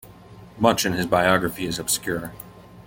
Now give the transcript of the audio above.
Much in his biography is obscure.